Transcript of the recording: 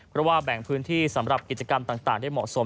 เพราะว่าแบ่งพื้นที่สำหรับกิจกรรมต่างได้เหมาะสม